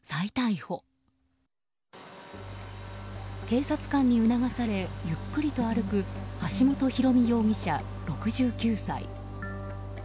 警察官に促されゆっくりと歩く橋本博巳容疑者、６９歳。